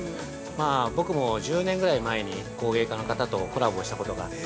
僕も１０年ぐらい前に工芸家の方とコラボしたことがあって。